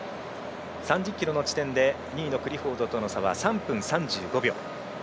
３０ｋｍの地点で２位のクリフォードとの差は３分３５秒。